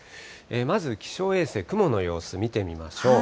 まず気象衛星、雲の様子、見てみましょう。